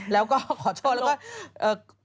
แล้วก็ขอโทษแล้วก็